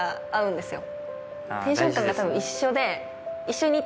テンション感がたぶん一緒で。